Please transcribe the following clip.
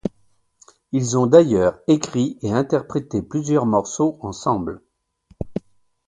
Ils ont d'ailleurs écrit et interprété plusieurs morceaux ensemble.